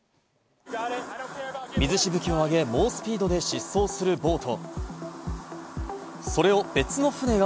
水しぶきを上げ、猛スピードで疾走するボート。